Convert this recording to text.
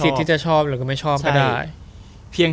มีสิทธิ์ที่จะชอบเราก็ไม่ชอบก็ได้